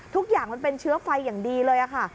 ทุกอย่างมันเป็นเชื้อไฟอย่างดีเลยค่ะ